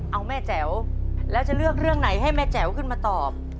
เอาแม่แจ๋วแล้วจะเลือกเรื่องไหนให้แม่แจ๋วขึ้นมาตอบ